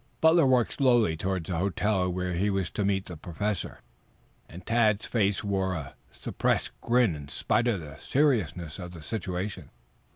Butler walked slowly towards the hotel where he was to meet the Professor, and Tad's face wore a suppressed grin in spite of the seriousness of the situation.